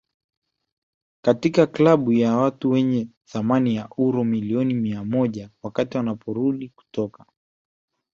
katika klabu ya watu wenye thamani ya uro milioni mia moja wakati anaporudi kutoka